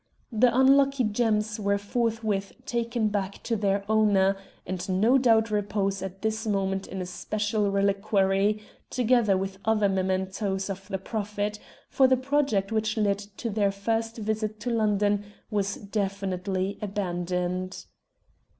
The unlucky gems were forthwith taken back to their owner, and no doubt repose at this moment in a special reliquary, together with other mementoes of the Prophet, for the project which led to their first visit to London was definitely abandoned.